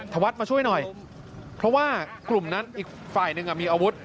ธวัฒน์มาช่วยหน่อยเพราะว่ากลุ่มนั้นอีกฝ่ายหนึ่งมีอาวุธ